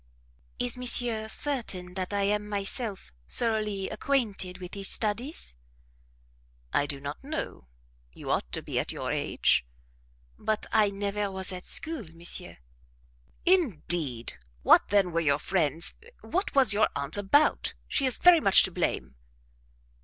"Is monsieur certain that I am myself thoroughly acquainted with these studies?" "I don't know; you ought to be at your age." "But I never was at school, monsieur " "Indeed! What then were your friends what was your aunt about? She is very much to blame."